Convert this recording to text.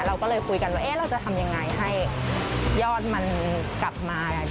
เราก็เลยคุยกันว่าเราจะทำยังไงให้ยอดมันกลับมา